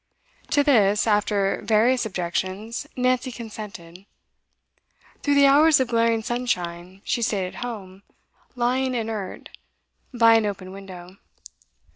To this, after various objections, Nancy consented. Through the hours of glaring sunshine she stayed at home, lying inert, by an open window.